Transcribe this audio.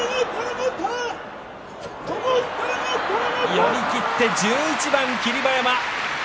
寄り切って１１番霧馬山。